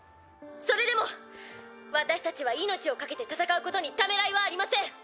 それでも私たちは命を懸けて戦うことにためらいはありません。